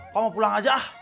kau mau pulang aja ah